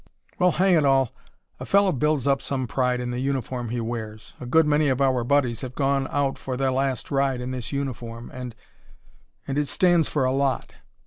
"Well, hang it all! a fellow builds up some pride in the uniform he wears. A good many of our buddies have gone out for their last ride in this uniform and and it stands for a lot.